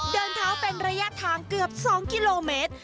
เดินเท้าเป็นระยะทางเกือบ๒กิโลเมตร